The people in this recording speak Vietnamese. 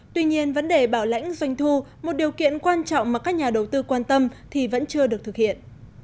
tuy nhiên vấn đề bảo lãnh doanh thu một điều kiện quan trọng mà các nhà đầu tư quan tâm thì vẫn chưa được thực hiện